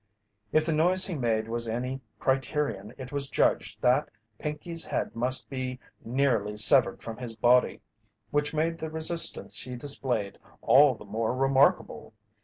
If the noise he made was any criterion it was judged that Pinkey's head must be nearly severed from his body which made the resistance he displayed all the more remarkable.